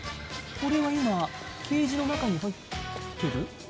これは今、ケージに入ってる？